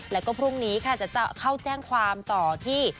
แล้วก็พรุ่งนี้ค่ะจะเข้าแจ้งความต่อที่